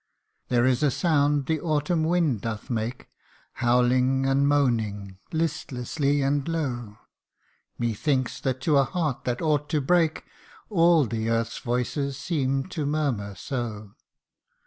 THERE is a sound the autumn wind doth make Howling and moaning, listlessly and low : Methinks that to a heart that ought to break All the earth's voices seem to murmur so.